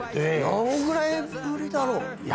どれぐらいぶりだろ？